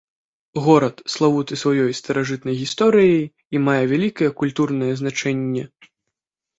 Горад славуты сваёй старажытнай гісторыяй і мае вялікае культурнае значэнне.